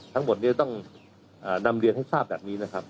ทั้งหมดนี้ต้องนำเรียนให้ทราบแบบนี้นะครับ